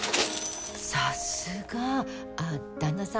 さすがあっ旦那さん